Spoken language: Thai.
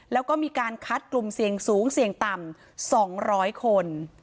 แล้วก็มีการคัดกลุ่มเสี่ยงสูงเสี่ยงต่ำ๒๐๐คน